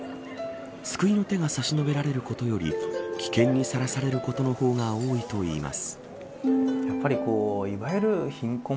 救いの手が差し伸べられることより危険にさらされることの方が多いといいます。